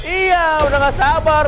iya udah nggak sabar